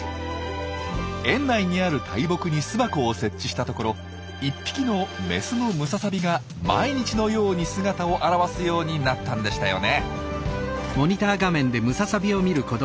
園内にある大木に巣箱を設置したところ１匹のメスのムササビが毎日のように姿を現すようになったんでしたよね。